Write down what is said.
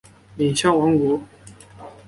敏象王国。